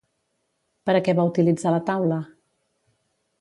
Per a què va utilitzar la taula?